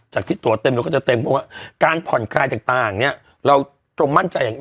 จากที่ตัวเต็มเราก็จะเต็มเพราะว่าการผ่อนคลายต่างเราต้องมั่นใจ